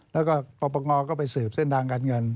แล้วก็ปปงก็ไปสืบเส้นทางการเงิน